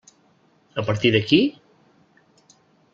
A partir d'aquí?